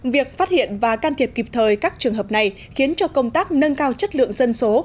việc phát hiện và can thiệp kịp thời các trường hợp này khiến cho công tác nâng cao chất lượng dân số